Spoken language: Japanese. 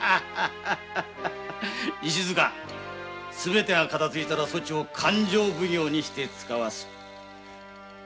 石塚すべてが片づいたらそちを勘定奉行にしてつかわす。